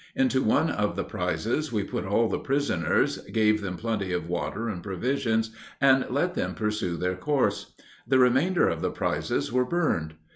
Into one of the prizes we put all the prisoners, gave them plenty of water and provisions, and let them pursue their course: the remainder of the prizes were burned.